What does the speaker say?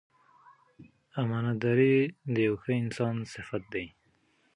امانتداري د یو ښه انسان صفت دی.